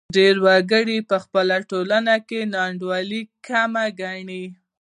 ډېر وګړي په خپله ټولنه کې ناانډولي کمه ګڼي.